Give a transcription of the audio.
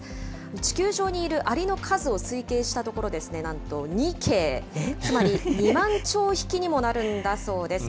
地球上にいるアリの数を推計したところ、なんと２京、つまり２万兆匹にもなるんだそうです。